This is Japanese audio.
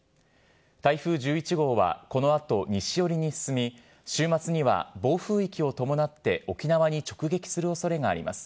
台風１１号はこのあと西寄りに進み、週末には暴風域を伴って沖縄に直撃するおそれがあります。